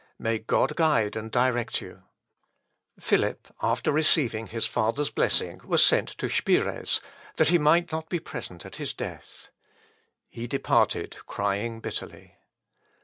May God guide and direct you!" Philip, after receiving his father's blessing, was sent to Spires, that he might not be present at his death. He departed crying bitterly.